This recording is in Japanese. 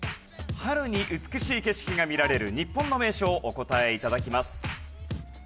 春に美しい景色が見られる日本の名所をお答え頂きます。